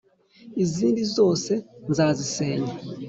izindi zose nzazisenya.